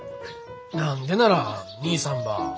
何でなら兄さんばあ。